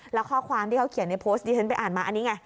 แล้วข้อความที่เขาเขียนในโพสต์ที่ฉันไปอ่านมาอันนี้ไง